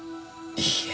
いいえ。